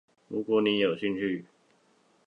如果你有興趣